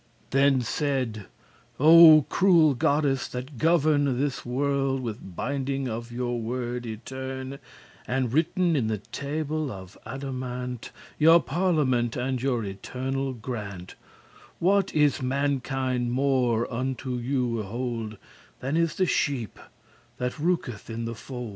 Then said; "O cruel goddess, that govern This world with binding of your word etern* *eternal And writen in the table of adamant Your parlement* and your eternal grant, *consultation What is mankind more *unto you y hold* *by you esteemed Than is the sheep, that rouketh* in the fold!